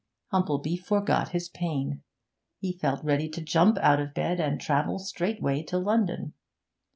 Humplebee forgot his pain; he felt ready to jump out of bed and travel straightway to London.